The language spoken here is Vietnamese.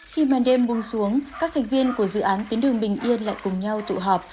khi màn đêm buông xuống các thành viên của dự án tuyến đường bình yên lại cùng nhau tụ họp